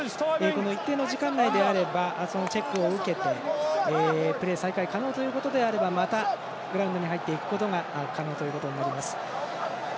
一定の時間内であればチェックを受けてプレー可能ということであればまた、グラウンドに入っていくことが可能となります。